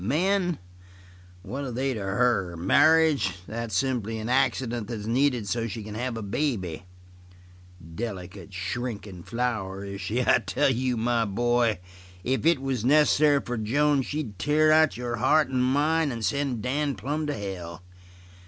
Men? What are they to her? Marriage? That's simply an accident that's needed so she can have a baby. Delicate, shrinkin' flower, is she? I tell you, my boy, if it was necessary for Joan she'd tear out your heart and mine and send Dan plumb to hell.